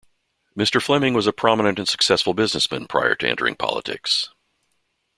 Mr. Fleming was a prominent and successful businessman prior to entering politics.